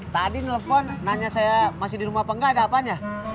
tadi nelfon nanya saya masih di rumah apa enggak ada apanya